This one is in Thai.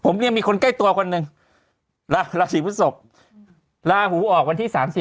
ผมเนี่ยมีคนใกล้ตัวคนหนึ่งราศีพฤศพลาหูออกวันที่๓๐